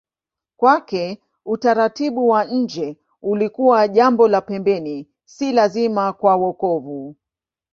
Kwake utaratibu wa nje ulikuwa jambo la pembeni, si lazima kwa wokovu.